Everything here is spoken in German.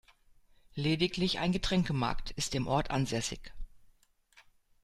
Lediglich ein Getränkemarkt ist im Ort ansässig.